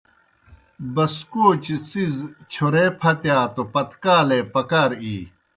بسکوچوْ څِیز چھورے پھتِیا توْ پتکالے پکار اِی۔